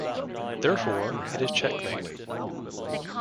Therefore, it is checkmate.